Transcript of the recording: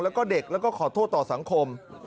แล้วก็เด็กแล้วก็ขอโทษต่อสังคม